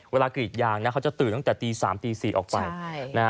เวลากรีดยางเขาจะตื่นตั้งแต่ตี๓๔ออกไป